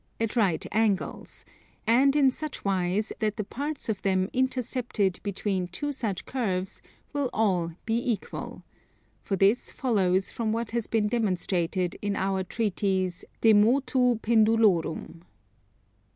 at right angles, and in such wise that the parts of them intercepted between two such curves will all be equal; for this follows from what has been demonstrated in our treatise de Motu Pendulorum.